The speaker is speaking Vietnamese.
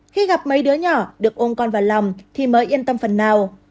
khi gặp mấy đứa nhỏ được ôm con vào lòng thì mới yên tâm phần nào